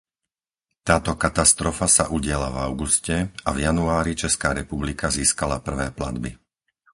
Táto katastrofa sa udiala v auguste a v januári Česká republika získala prvé platby.